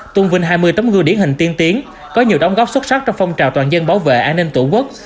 tôn vinh hai mươi tấm gương điển hình tiên tiến có nhiều đóng góp xuất sắc trong phong trào toàn dân bảo vệ an ninh tổ quốc